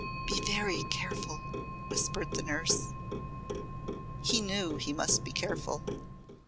"Be very careful!" whispered the nurse. He knew he must be careful.